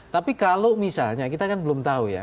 tapi kalau misalnya kita kan belum tahu ya